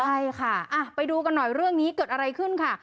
ใช่ค่ะไปดูกันหน่อยเรื่องนี้เกิดอะไรขึ้นค่ะ